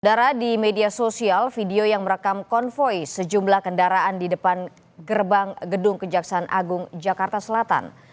dari media sosial video yang merekam konvoy sejumlah kendaraan di depan gerbang gedung kejaksaan agung jakarta selatan